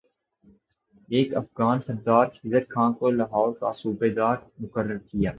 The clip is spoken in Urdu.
ایک افغان سردار خضر خان کو لاہور کا صوبہ دار مقرر کیا